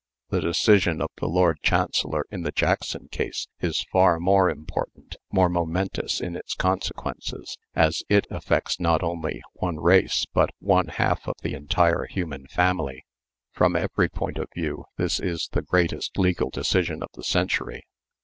The decision of the Lord Chancellor, in the Jackson case, is far more important, more momentous in its consequences, as it affects not only one race but one half of the entire human family. From every point of view this is the greatest legal decision of the century.